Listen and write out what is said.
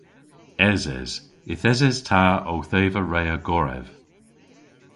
Eses. Yth eses ta owth eva re a gorev.